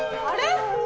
あれ？